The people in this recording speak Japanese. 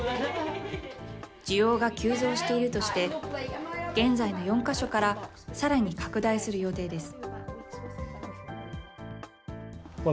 需要が急増しているとして、現在の４か所から、さらに拡大する予定です。